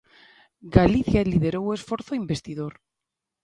Galicia liderou o esforzo investidor.